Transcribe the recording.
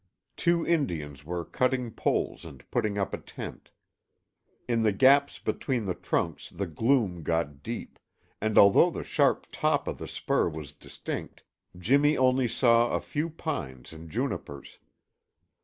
Two Indians were cutting poles and putting up a tent. In the gaps between the trunks the gloom got deep, and although the sharp top of the spur was distinct, Jimmy only saw a few small pines and junipers.